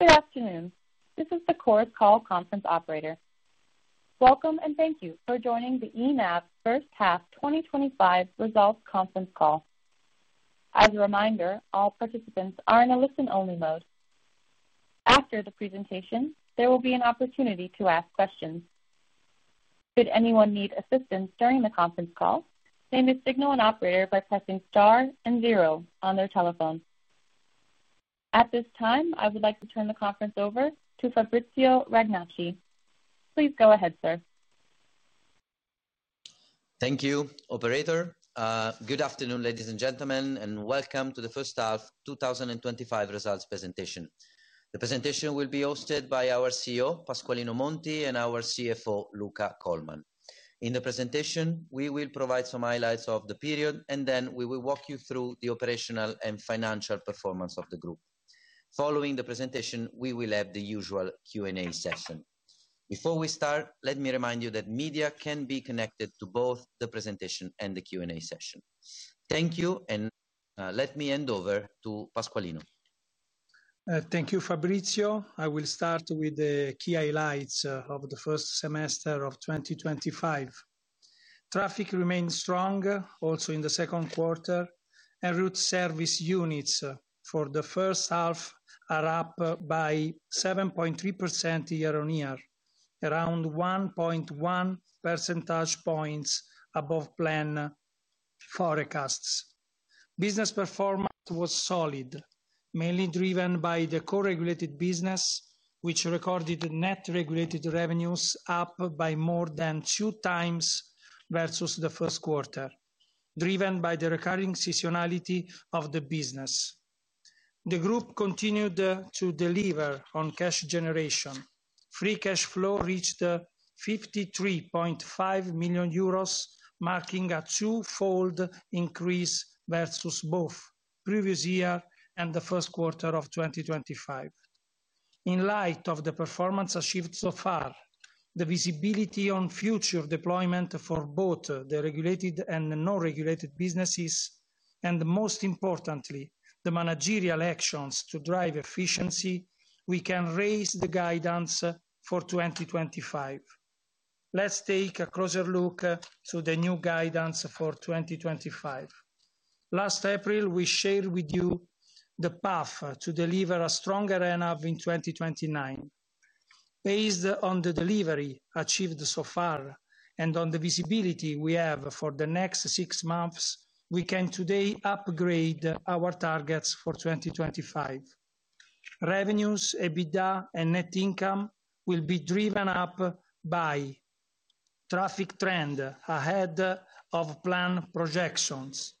Good afternoon. This is the conference call operator. Welcome and thank you for joining the ENAV first half 2025 results conference call. As a reminder, all participants are in a listen-only mode. After the presentation, there will be an opportunity to ask questions. Should anyone need assistance during the conference call, they may signal an operator by pressing star and zero on their telephone. At this time, I would like to turn the conference over to Fabrizio Ragnacci. Please go ahead, sir. Thank you, operator. Good afternoon, ladies and gentlemen, and welcome to the first half 2025 results presentation. The presentation will be hosted by our CEO, Pasqualino Monti, and our CFO, Luca Colman. In the presentation, we will provide some highlights of the period, and then we will walk you through the operational and financial performance of the group. Following the presentation, we will have the usual Q&A session. Before we start, let me remind you that media can be connected to both the presentation and the Q&A session. Thank you, and let me hand over to Pasqualino. Thank you, Fabrizio. I will start with the key highlights of the first semester of 2025. Traffic remains strong also in the second quarter, and en route service units for the first half are up by 7.3% year-on-year, around 1.1 percentage points above planned forecasts. Business performance was solid, mainly driven by the co-regulated business, which recorded net regulated revenues up by more than two times versus the first quarter, driven by the recurring seasonality of the business. The group continued to deliver on cash generation. Free cash flow reached 53.5 million euros, marking a two-fold increase versus both the previous year and the first quarter of 2025. In light of the performance achieved so far, the visibility on future deployment for both the regulated and non-regulated businesses, and most importantly, the managerial actions to drive efficiency, we can raise the guidance for 2025. Let's take a closer look at the new guidance for 2025. Last April, we shared with you the path to deliver a stronger ENAV in 2029. Based on the delivery achieved so far and on the visibility we have for the next six months, we can today upgrade our targets for 2025. Revenues, EBITDA, and net income will be driven up by traffic trends ahead of planned projections,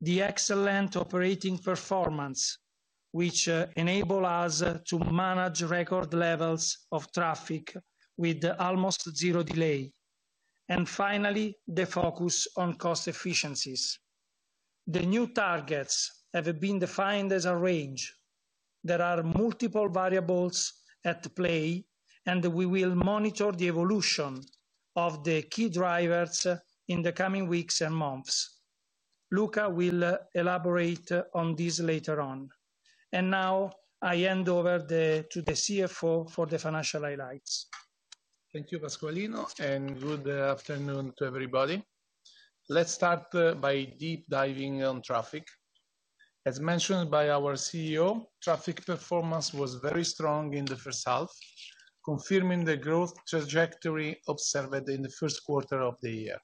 the excellent operating performance, which enables us to manage record levels of traffic with almost zero delay, and finally, the focus on cost efficiencies. The new targets have been defined as a range. There are multiple variables at play, and we will monitor the evolution of the key drivers in the coming weeks and months. Luca will elaborate on this later on. I hand over to the CFO for the financial highlights. Thank you, Pasqualino, and good afternoon to everybody. Let's start by deep diving on traffic. As mentioned by our CEO, traffic performance was very strong in the first half, confirming the growth trajectory observed in the first quarter of the year.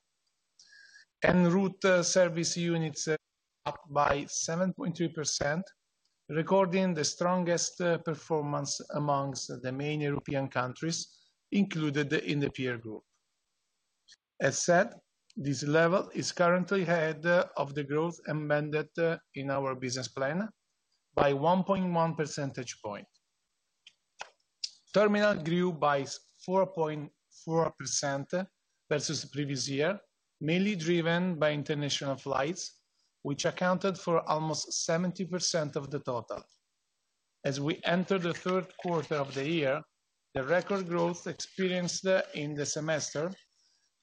En route service units are up by 7.3%, recording the strongest performance amongst the main European countries included in the peer group. As said, this level is currently ahead of the growth amended in our business plan by 1.1 percentage point. Terminal grew by 4.4% versus the previous year, mainly driven by international flights, which accounted for almost 70% of the total. As we enter the third quarter of the year, the record growth experienced in the semester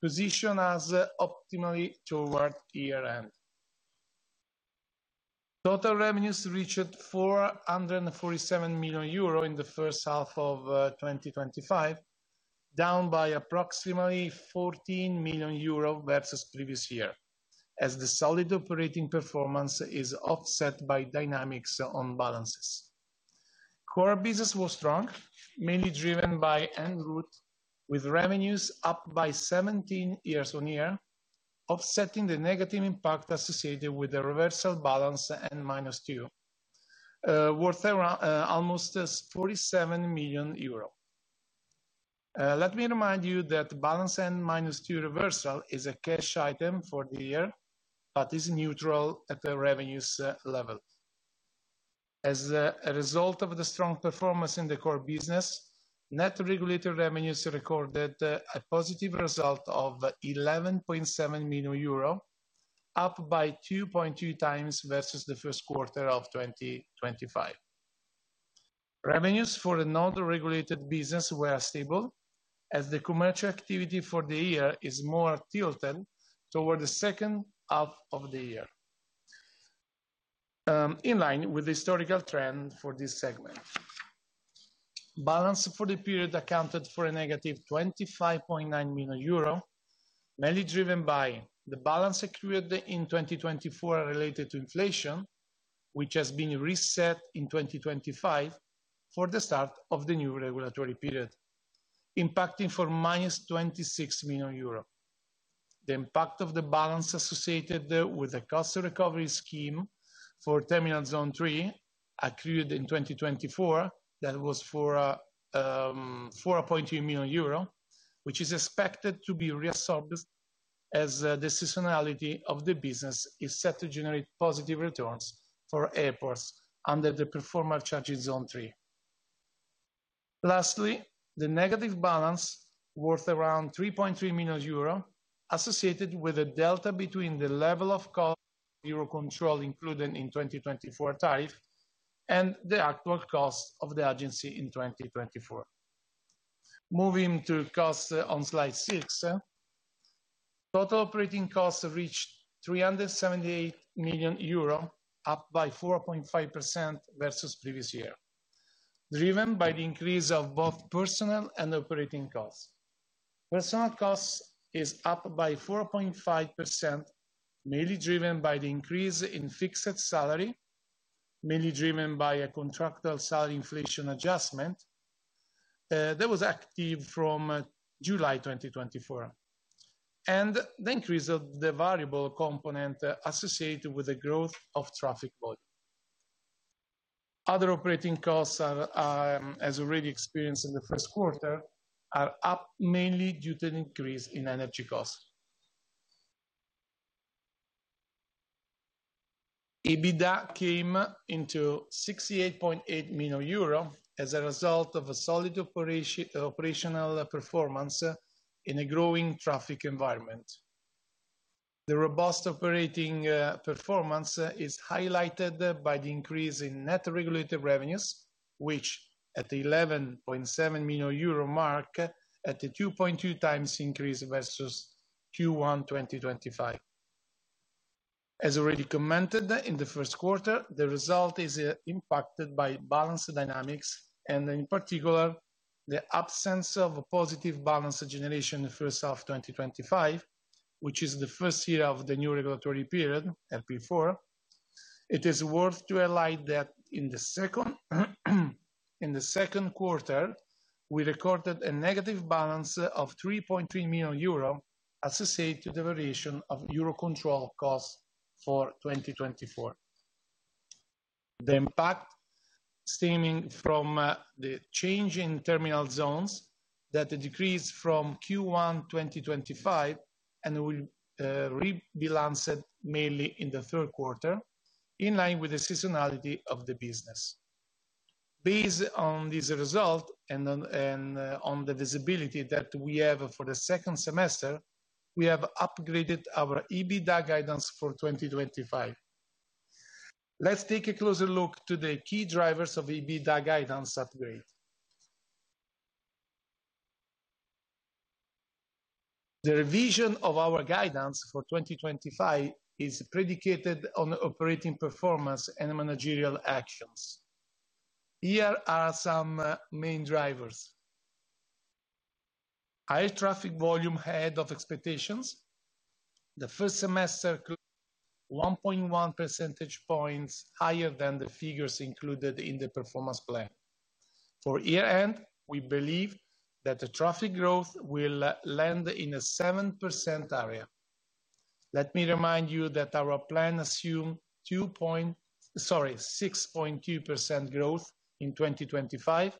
positions us optimally toward year-end. Total revenues reached 447 million euro in the first half of 2025, down by approximately 14 million euro versus the previous year, as the solid operating performance is offset by dynamics on balances. Core business was strong, mainly driven by en route, with revenues up by 17% year on year, offsetting the negative impact associated with the reversal balance N-2, worth almost 47 million euro. Let me remind you that balance N-2 reversal is a cash item for the year but is neutral at the revenues level. As a result of the strong performance in the core business, net regulated revenues recorded a positive result of 11.7 million euro, up by 2.2 times versus the first quarter of 2025. Revenues for the non-regulated business were stable, as the commercial activity for the year is more tilted toward the second half of the year, in line with the historical trend for this segment. Balance for the period accounted for a negative 25.9 million euro, mainly driven by the balance accrued in 2024 related to inflation, which has been reset in 2025 for the start of the new regulatory period, impacting for 26 million euros. The impact of the balance associated with the cost recovery scheme for terminal zone 3, accrued in 2024, was for 4.2 million euro, which is expected to be reabsorbed as the seasonality of the business is set to generate positive returns for airports under the performance charging zone 3. Lastly, the negative balance, worth around 3.3 million euro, associated with a delta between the level of cost of EUROCONTROL included in the 2024 tariff and the actual cost of the agency in 2024. Moving to costs on slide six, total operating costs reached 378 million euro, up by 4.5% versus the previous year, driven by the increase of both personnel and operating costs. Personnel costs are up by 4.5%, mainly driven by the increase in fixed salary, mainly driven by a contractual salary inflation adjustment that was active from July 2024, and the increase of the variable component associated with the growth of traffic volume. Other operating costs, as already experienced in the first quarter, are up mainly due to an increase in energy costs. EBITDA came into 68.8 million euro as a result of a solid operational performance in a growing traffic environment. The robust operating performance is highlighted by the increase in net regulated revenues, which at the 11.7 million euro mark at a 2.2 times increase versus Q1 2025. As already commented in the first quarter, the result is impacted by balance dynamics, and in particular, the absence of a positive balance generation in the first half of 2025, which is the first year of the new regulatory period, RP4. It is worth highlighting that in the second quarter, we recorded a negative balance of 3.3 million euro associated with the variation of EUROCONTROL costs for 2024. The impact stemming from the change in terminal zones that decreased from Q1 2025 will rebalance mainly in the third quarter, in line with the seasonality of the business. Based on this result and on the visibility that we have for the second semester, we have upgraded our EBITDA guidance for 2025. Let's take a closer look at the key drivers of the EBITDA guidance upgrade. The revision of our guidance for 2025 is predicated on operating performance and managerial actions. Here are some main drivers: higher traffic volume ahead of expectations. The first semester closed 1.1 percentage points higher than the figures included in the performance plan. For year-end, we believe that the traffic growth will land in a 7% area. Let me remind you that our plan assumes 6.2% growth in 2025,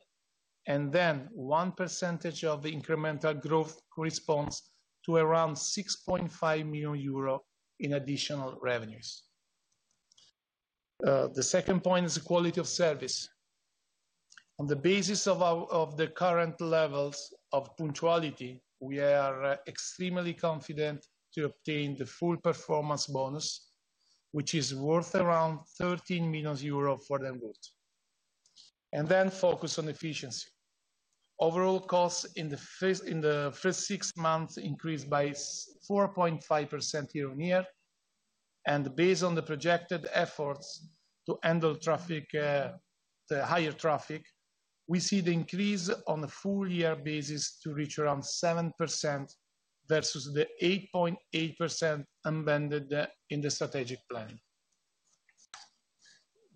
and then 1% of the incremental growth corresponds to around 6.5 million euro in additional revenues. The second point is the quality of service. On the basis of the current levels of punctuality, we are extremely confident to obtain the full performance bonus, which is worth around 13 million euros for en route. Focus on efficiency. Overall costs in the first six months increased by 4.5% year-on-year, and based on the projected efforts to handle higher traffic, we see the increase on a full-year basis to reach around 7% versus the 8.8% amended in the strategic plan.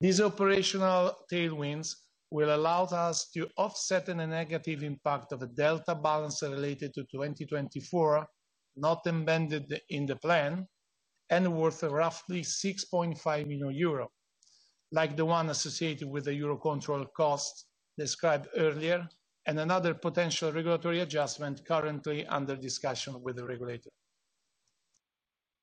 These operational tailwinds will allow us to offset the negative impact of a delta balance related to 2024, not amended in the plan, and worth roughly 6.5 million euro, like the one associated with the EUROCONTROL cost described earlier, and another potential regulatory adjustment currently under discussion with the regulator.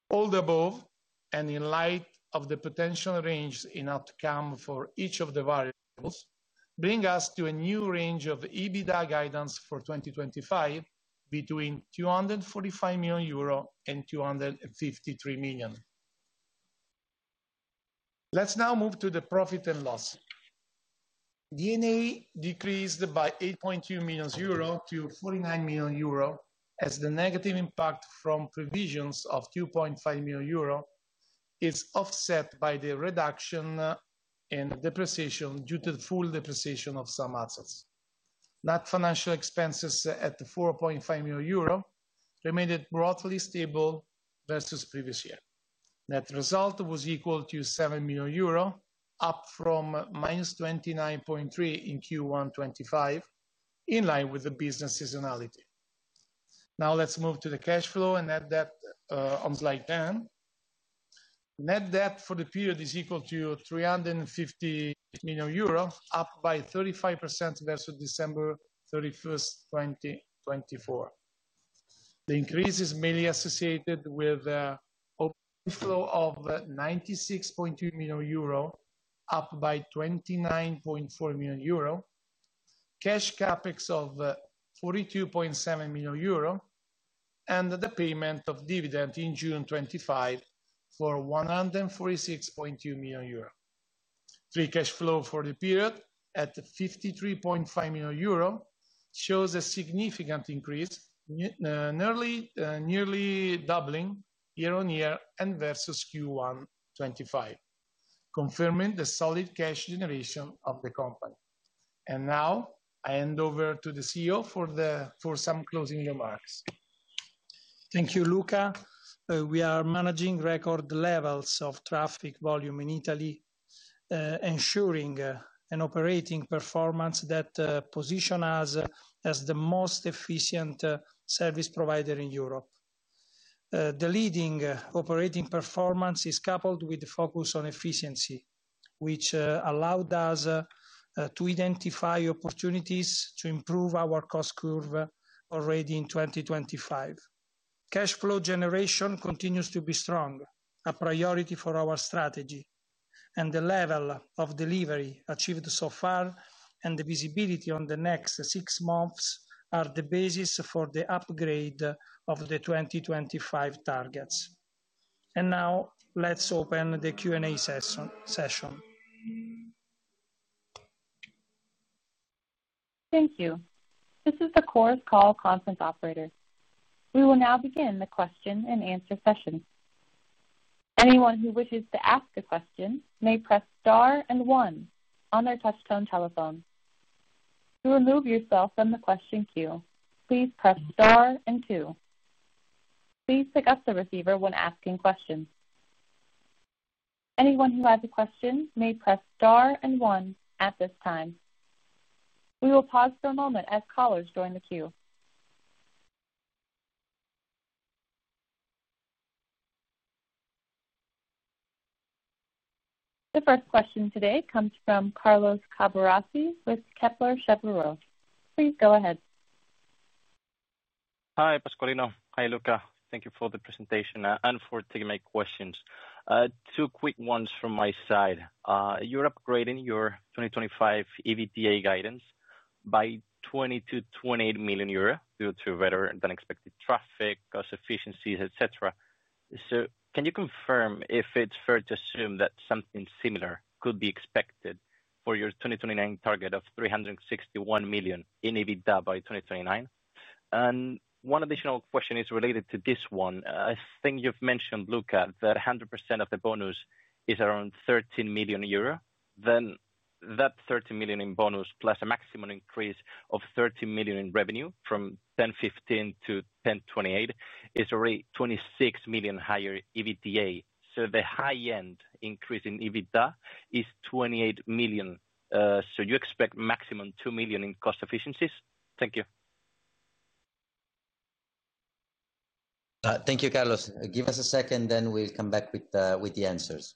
All the above, in light of the potential range in outcome for each of the variables, bring us to a new range of EBITDA guidance for 2025 between 245 million euro and 253 million. Let's now move to the profit and loss. D&A decreased by 8.2 million euro to 49 million euro, as the negative impact from provisions of 2.5 million euro is offset by the reduction in depreciation due to the full depreciation of some assets. Net financial expenses at 4.5 million euro remained broadly stable versus the previous year. Net result was equal to 7 million euro, up from -29.3 million in Q1 2025, in line with the business seasonality. Now let's move to the cash flow and net debt on slide 10. Net debt for the period is equal to 350 million euro, up by 35% versus December 31, 2024. The increase is mainly associated with an overflow of 96.2 million euro, up by 29.4 million euro, cash CapEx of 42.7 million euro, and the payment of dividend in June 2025 for 146.2 million euro. Free cash flow for the period at 53.5 million euro shows a significant increase, nearly doubling year-on-year versus Q1 2025, confirming the solid cash generation of the company. I hand over to the CEO for some closing remarks. Thank you, Luca. We are managing record levels of traffic volume in Italy, ensuring an operating performance that positions us as the most efficient service provider in Europe. The leading operating performance is coupled with the focus on efficiency, which allowed us to identify opportunities to improve our cost curve already in 2025. Cash flow generation continues to be strong, a priority for our strategy, and the level of delivery achieved so far and the visibility on the next six months are the basis for the upgrade of the 2025 targets. Now, let's open the Q&A session. Thank you. This is the course call conference operator. We will now begin the question and answer session. Anyone who wishes to ask a question may press star and one on their touch-tone telephone. To remove yourself from the question queue, please press star and two. Please pick up the receiver when asking questions. Anyone who has a question may press star and one at this time. We will pause for a moment as callers join the queue. The first question today comes from Carlos Caburrasi with Kepler Cheuvreux. Please go ahead. Hi, Pasqualino. Hi, Luca. Thank you for the presentation and for taking my questions. Two quick ones from my side. You're upgrading your 2025 EBITDA guidance by 22 million-28 million euros due to better than expected traffic, cost efficiencies, et cetera. Can you confirm if it's fair to assume that something similar could be expected for your 2029 target of 361 million in EBITDA by 2029? One additional question is related to this one. I think you've mentioned, Luca, that 100% of the bonus is around 13 million euro. That 13 million in bonus plus a maximum increase of 13 million in revenue from 10,015 to 10,028 is already 26 million higher EBITDA. The high-end increase in EBITDA is 28 million. Do you expect maximum 2 million in cost efficiencies? Thank you. Thank you, Carlos. Give us a second, then we'll come back with the answers.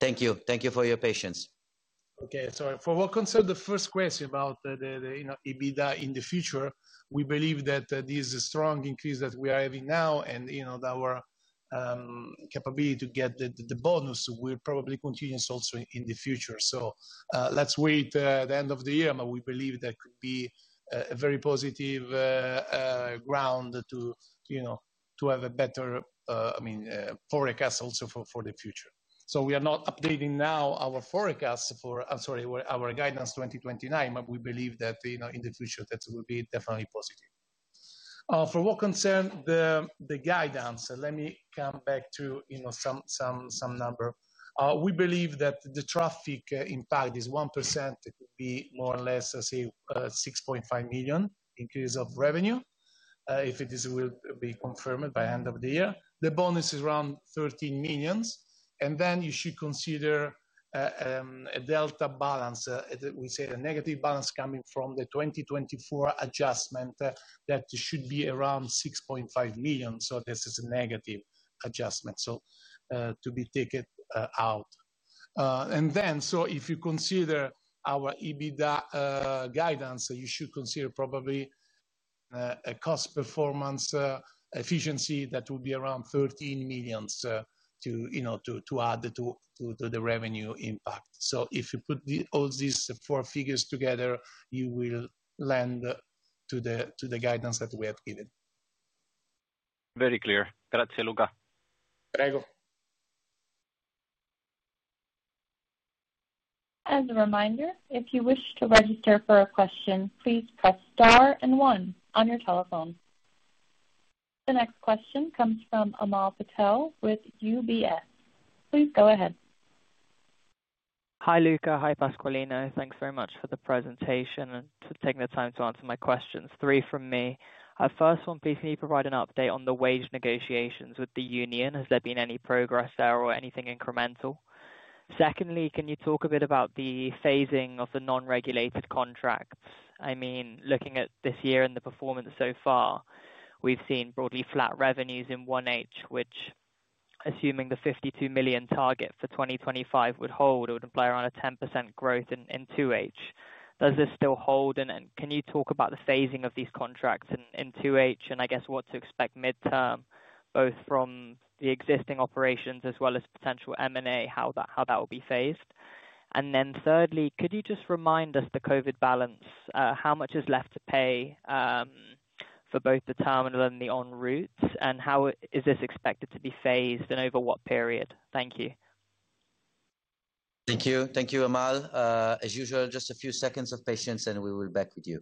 Thank you. Thank you for your patience. Okay. For what concerns the first question about the EBITDA in the future, we believe that this strong increase that we are having now and our capability to get the bonus will probably continue also in the future. Let's wait at the end of the year, but we believe that could be a very positive ground to have a better, I mean, forecast also for the future. We are not updating now our forecast for, I'm sorry, our guidance 2029, but we believe that in the future that will be definitely positive. For what concerns the guidance, let me come back to some numbers. We believe that the traffic impact is 1%. It could be more or less, say, 6.5 million increase of revenue if it will be confirmed by the end of the year. The bonus is around 13 million. You should consider a delta balance. We say a negative balance coming from the 2024 adjustment that should be around 6.5 million. This is a negative adjustment to be taken out. If you consider our EBITDA guidance, you should consider probably a cost performance efficiency that will be around 13 million to add to the revenue impact. If you put all these four figures together, you will land to the guidance that we have given. Very clear. Grazie, Luca. Prego. As a reminder, if you wish to register for a question, please press star and one on your telephone. The next question comes from Amal Patel with UBS. Please go ahead. Hi, Luca. Hi, Pasqualino. Thanks very much for the presentation and for taking the time to answer my questions. Three from me. First one, please can you provide an update on the wage negotiations with the union? Has there been any progress there or anything incremental? Secondly, can you talk a bit about the phasing of the non-regulated contracts? I mean, looking at this year and the performance so far, we've seen broadly flat revenues in 1H, which, assuming the 52 million target for 2025 would hold, it would imply around a 10% growth in 2H. Does this still hold? Can you talk about the phasing of these contracts in 2H and I guess what to expect midterm, both from the existing operations as well as potential M&A, how that will be phased? Thirdly, could you just remind us the COVID balance? How much is left to pay for both the terminal and the en route? How is this expected to be phased and over what period? Thank you. Thank you. Thank you, Amal. As usual, just a few seconds of patience and we will be back with you.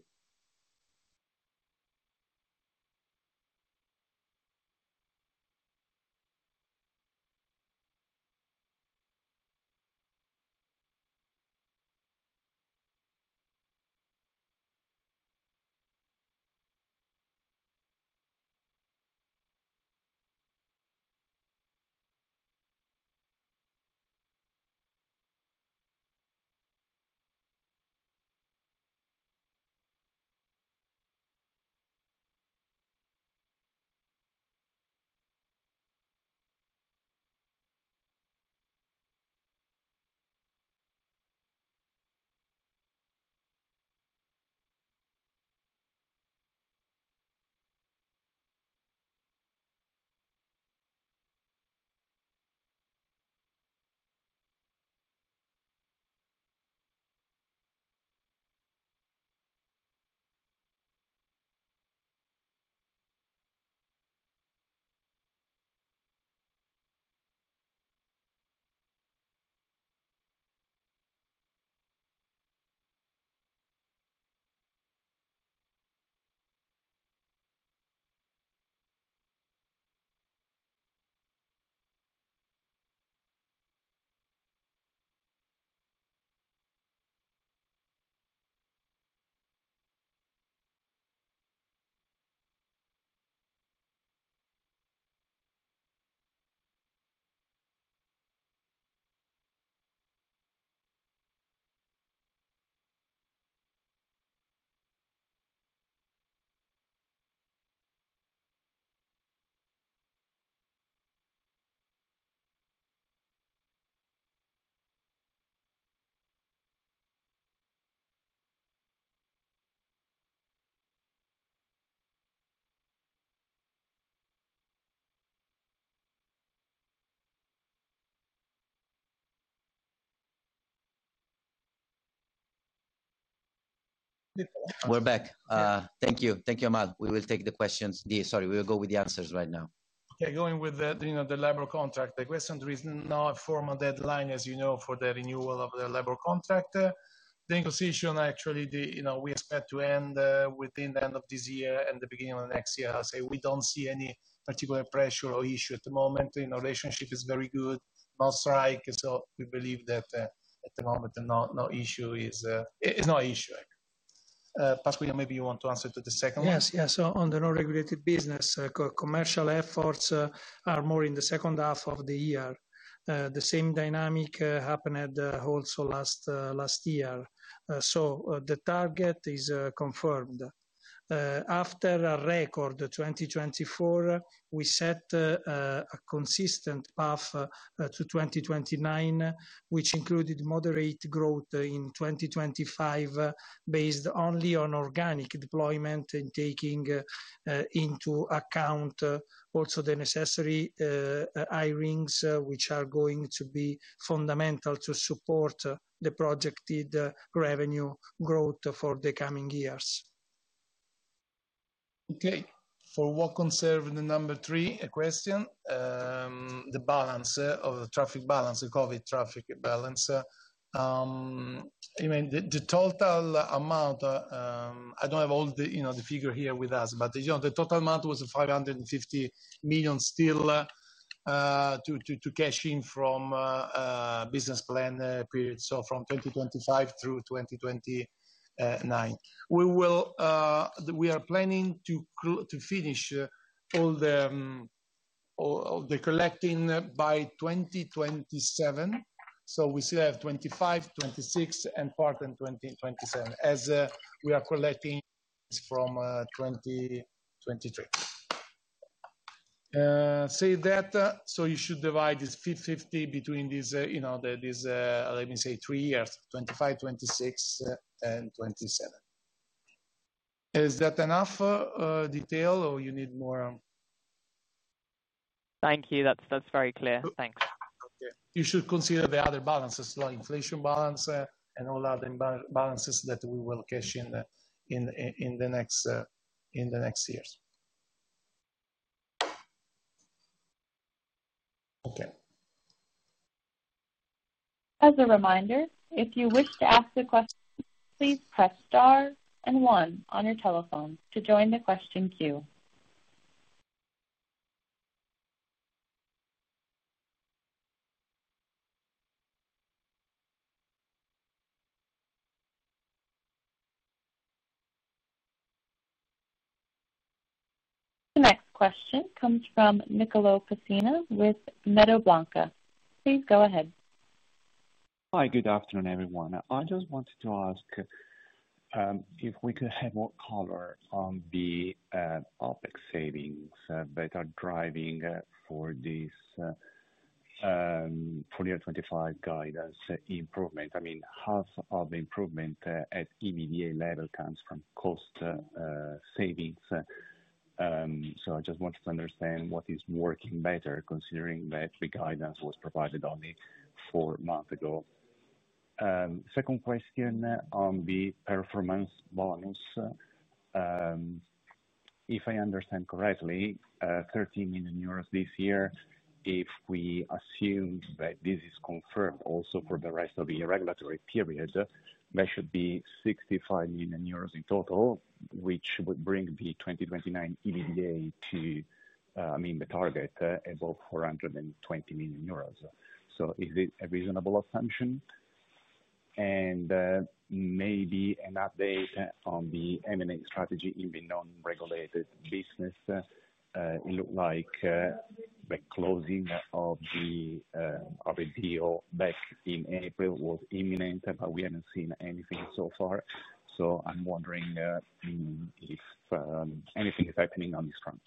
We're back. Thank you. Thank you, Amal. We will take the questions. Sorry, we will go with the answers right now. Okay. Going with the labor contract, the question is now a formal deadline, as you know, for the renewal of the labor contract. The negotiation, actually, we expect to end within the end of this year and the beginning of next year. I'll say we don't see any particular pressure or issue at the moment. Our relationship is very good, non-strike, so we believe that at the moment no issue is no issue. Pasqualino, maybe you want to answer to the second one? Yes, yes. On the non-regulated business, commercial efforts are more in the second half of the year. The same dynamic happened also last year. The target is confirmed. After a record 2024, we set a consistent path to 2029, which included moderate growth in 2025 based only on organic deployment and taking into account also the necessary hirings, which are going to be fundamental to support the projected revenue growth for the coming years. Okay. For what concerns the number three, a question. The balance of the traffic balance, the COVID traffic balance. You mean, the total amount, I don't have all the figure here with us, but the total amount was 550 million still to cash in from business plan period, from 2025 through 2029. We are planning to finish all the collecting by 2027. We still have 2025, 2026, and part in 2027, as we are collecting from 2023. Say that, you should divide this 550 million between these, let me say, three years: 2025, 2026, and 2027. Is that enough detail or you need more? Thank you. That's very clear. Thanks. Okay. You should consider the other balances, the inflation balance, and all other balances that we will cash in in the next years. As a reminder, if you wish to ask a question, please press star and one on your telephone to join the question queue. The next question comes from Nicolò Pessina with Mediobanca. Please go ahead. Hi. Good afternoon, everyone. I just wanted to ask if we could have more color on the OpEx savings that are driving for this 2025 guidance improvement. I mean, half of the improvement at EBITDA level comes from cost savings. I just wanted to understand what is working better considering that the guidance was provided only four months ago. Second question on the performance bonus. If I understand correctly, 13 million euros this year, if we assume that this is confirmed also for the rest of the regulatory period, there should be 65 million euros in total, which would bring the 2029 EBITDA to, I mean, the target above 420 million euros. Is it a reasonable assumption? Maybe an update on the M&A strategy in the non-regulated business. It looked like the closing of the deal back in April was imminent, but we haven't seen anything so far. I'm wondering if anything is happening on this front.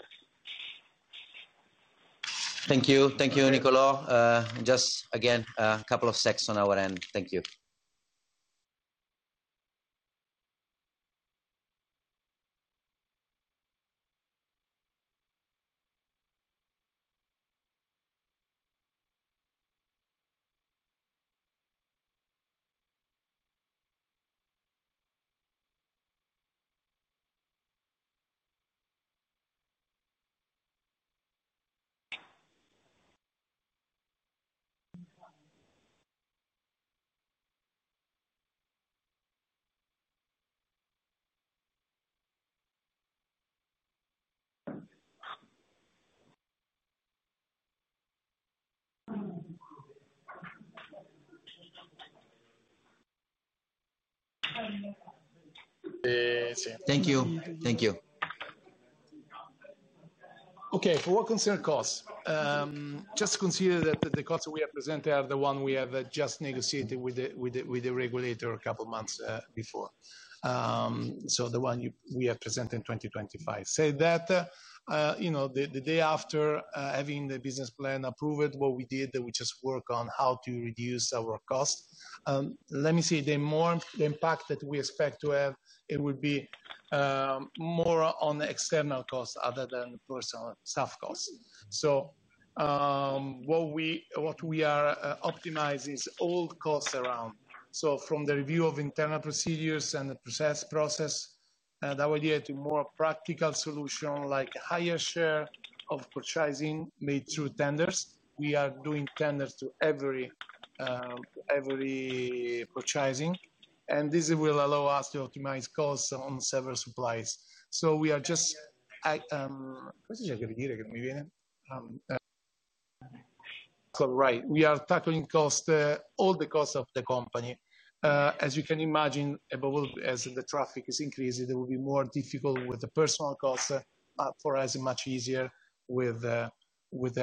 Thank you, Nicolo. Just a couple of seconds on our end. Thank you. Thank you. Thank you. Okay. For what concerns costs, just to consider that the costs that we have presented are the ones we have just negotiated with the regulator a couple of months before. The ones we have presented in 2025. The day after having the business plan approved, what we did, we just work on how to reduce our cost. Let me say the impact that we expect to have, it will be more on external costs other than the personal staff costs. What we are optimizing is all costs around, from the review of internal procedures and the process, that will lead to more practical solutions like a higher share of purchasing made through tenders. We are doing tenders to every purchasing, and this will allow us to optimize costs on several suppliers. We are just, we are tackling all the costs of the company. As you can imagine, as the traffic is increasing, it will be more difficult with the personal costs. For us, it's much easier with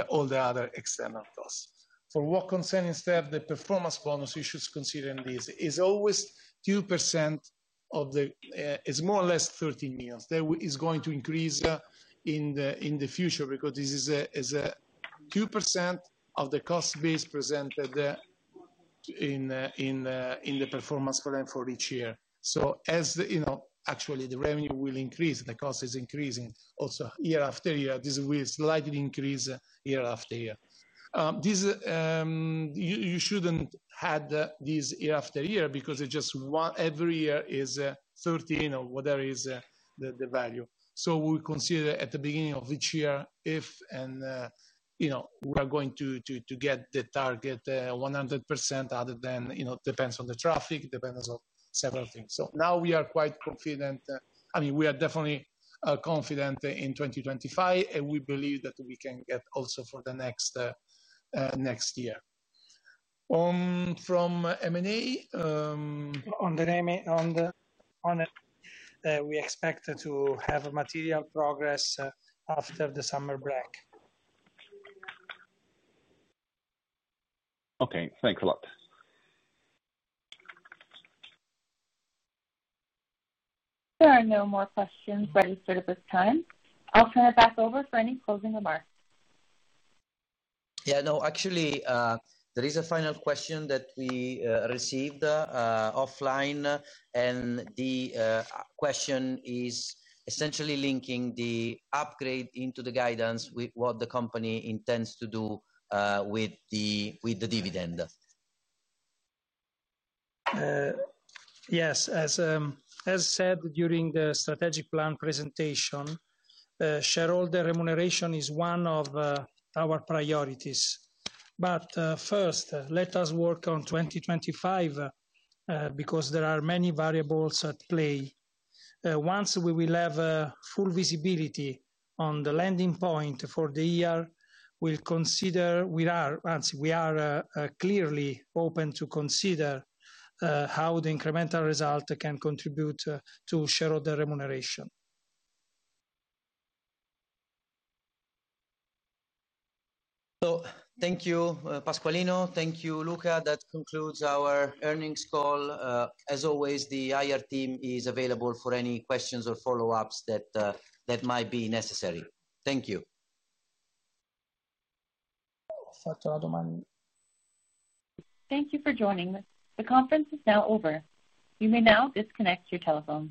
all the other external costs. For what concerns instead the performance bonus, you should consider this. It's always 2% of the, it's more or less 13 million. It's going to increase in the future because this is 2% of the cost base presented in the performance plan for each year. As the revenue will increase, the cost is increasing also year after year. This will slightly increase year after year. You shouldn't add this year after year because it's just every year is 13 million or whatever is the value. We consider at the beginning of each year if, and we are going to get the target 100% other than, depends on the traffic, depends on several things. Now we are quite confident. I mean, we are definitely confident in 2025, and we believe that we can get also for the next year. From M&A. On the M&A, we expect to have material progress after the summer break. Okay, thanks a lot. There are no more questions registered at this time. I'll turn it back over for any closing remarks. Yeah. No, actually, there is a final question that we received offline, and the question is essentially linking the upgrade into the guidance with what the company intends to do with the dividend. Yes. As I said during the strategic plan presentation, shareholder remuneration is one of our priorities. First, let us work on 2025 because there are many variables at play. Once we have full visibility on the landing point for the year, we'll consider, we are clearly open to consider how the incremental result can contribute to shareholder remuneration. Thank you, Pasqualino. Thank you, Luca. That concludes our earnings call. As always, the IR team is available for any questions or follow-ups that might be necessary. Thank you. Thank you for joining. The conference is now over. You may now disconnect your telephone.